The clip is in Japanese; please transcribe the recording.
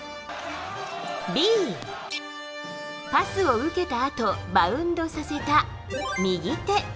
Ｂ、パスを受けたあとバウンドさせた右手。